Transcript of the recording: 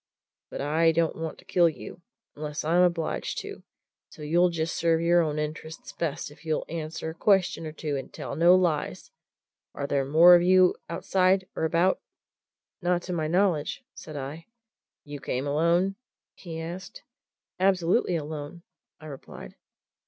But I don't want to kill you, unless I'm obliged to, so you'll just serve your own interests best if you answer a question or two and tell no lies. Are there more of you outside or about?" "Not to my knowledge!" said I. "You came alone?" he asked. "Absolutely alone," I replied.